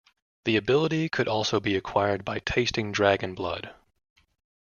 The ability could also be acquired by tasting dragon blood.